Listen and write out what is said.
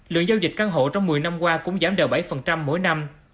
lượng giao dịch căn hộ trong một mươi năm qua cũng giảm đều bảy mỗi năm